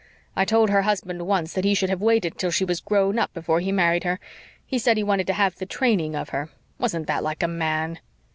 I told her husband once that he should have waited till she was grown up before he married her. He said he wanted to have the training of her. Wasn't that like a man?"